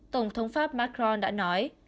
tổng thống pháp macron đã nói